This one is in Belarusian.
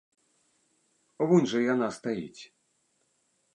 Вунь жа яна стаіць.